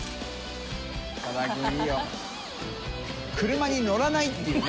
車に乗らないっていうね。